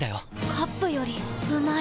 カップよりうまい